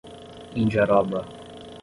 Indiaroba